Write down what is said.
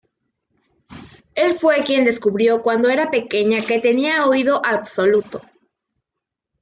Él fue quien descubrió cuando era pequeña que tenía oído absoluto.